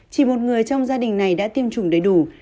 chỉ một người trong gia đình này đã tiêm chủng đầy đủ